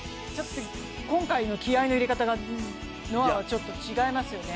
今回の気合いの入れ方がノアがちょっと違いますよね。